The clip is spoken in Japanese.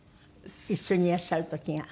一緒にいらっしゃる時が。